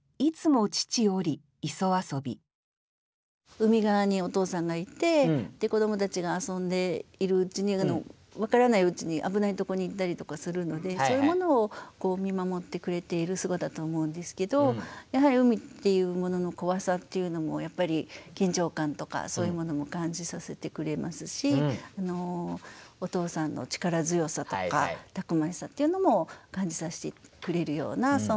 海側にお父さんがいてで子どもたちが遊んでいるうちに分からないうちに危ないとこに行ったりとかするのでそういうものを見守ってくれている姿と思うんですけどやはり海っていうものの怖さっていうのもやっぱり緊張感とかそういうものも感じさせてくれますしお父さんの力強さとかたくましさっていうのも感じさせてくれるようなそんな句だと思います。